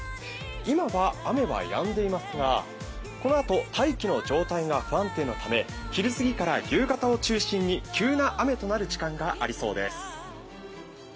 今は雨はやんでいますが、このあと大気の状態が不安定のため不安定のため昼過ぎから夕方にかけて急な雨となる時間がありそうです。